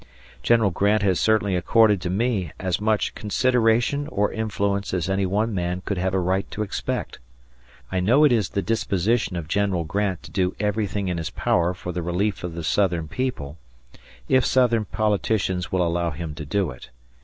"General Grant has certainly accorded to me as much consideration or influence as any one man could have a right to expect. I know it is the disposition of General Grant to do everything in his power for the relief of the Southern people, if Southern politicians will allow him to do it.